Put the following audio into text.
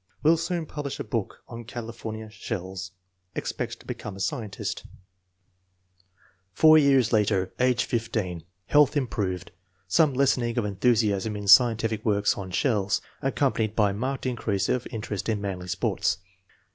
Will soon publish a book on California shells. Expects to become a scientist. 24.2 INTELLIGENCE OF SCHOOL CHILDREN Four years later, age 15. Health improved. Some lessening of enthusiasm in scientific work on shells, accompanied by marked increase of interest in manly sports.